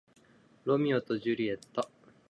ロミオとジュリエット